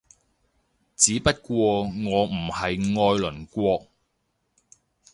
只不過我唔係愛鄰國